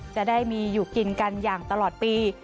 จะได้มีอยู่กินกันอย่างตลอดปี